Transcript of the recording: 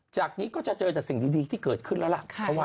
จากนี้ก็จะเจอแต่สิ่งดีที่เกิดขึ้นแล้วล่ะ